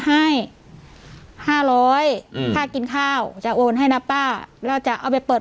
ให้ห้าร้อยอืมค่ากินข้าวจะโอนให้นะป้าแล้วจะเอาไปเปิด